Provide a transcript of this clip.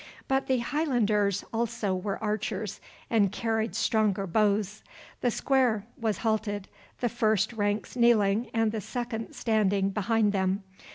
But the Highlanders also were archers, and carried stronger bows. The square was halted, the first ranks kneeling and the second standing behind them.